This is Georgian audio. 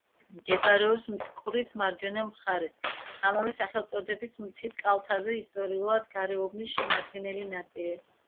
მდებარეობს მტკვრის მარჯვენა მხარეს, ამავე სახელწოდების მთის კალთაზე, ისტორიულად გარეუბნის შემადგენელი ნაწილი.